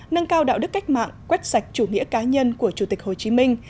nâng cao đạo đức cách mạng quét sạch chủ nghĩa cá nhân của chủ tịch hồ chí minh